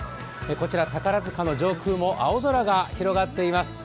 こちら、宝塚の上空も青空が広がっています。